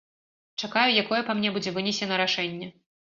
Чакаю, якое па мне будзе вынесена рашэнне.